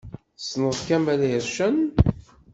Tessneḍ Kamel Ircen?